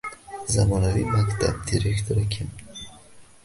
Zamonaviy maktab direktori kim?